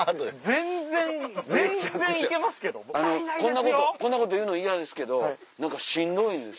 こんなこと言うの嫌ですけど何かしんどいんです。